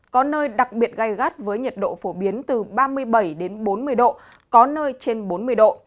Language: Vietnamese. có nơi đặc biệt gai gắt với nhiệt độ phổ biến từ ba mươi bảy đến bốn mươi độ có nơi trên bốn mươi độ